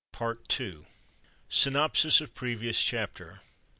PART TWO _Synopsis of Previous Chapter.